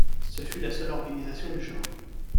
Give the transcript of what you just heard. Ce fut la seule organisation du genre.